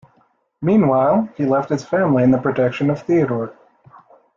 Meanwhile, he left his family in the protection of Theodore.